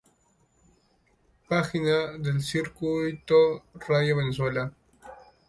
Página del Circuito Radio Venezuela